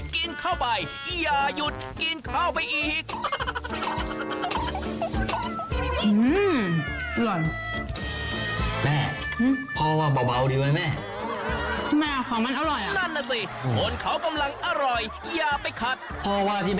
กินเข้าไปอย่าหยุดกินเข้าไปอีก